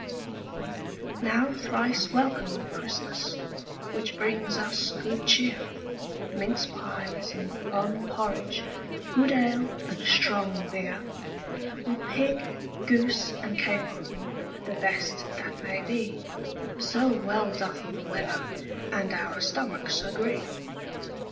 Now thrice welcome, Christmas, Which brings us good cheer, Minced pies and plum porridge, Good ale and strong beer; With pig, goose, and capon, The best that may be, So well doth the weather And our stomachs agree.